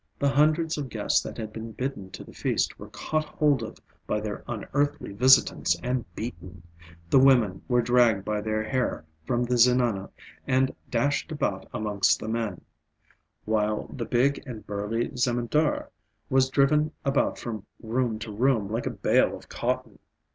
The hundreds of guests that had been bidden to the feast were caught hold of by the unearthly visitants and beaten; the women were dragged by their hair from the Zenana and dashed about amongst the men; while the big and burly Zemindar was driven about from room to room like a bale of cotton.